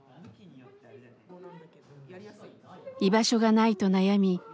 居場所がないと悩み